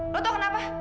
lo tau kenapa